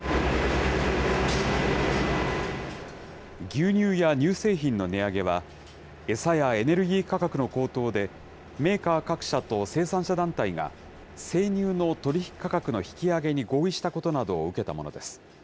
牛乳や乳製品の値上げは、餌やエネルギー価格の高騰で、メーカー各社と生産者団体が生乳の取り引き価格の引き上げに合意したことなどを受けたものです。